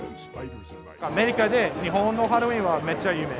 アメリカで日本のハロウィーンは、めっちゃ有名。